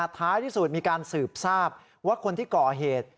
ท้ายที่สุดมีการสืบทราบว่าคนที่ก่อเหตุ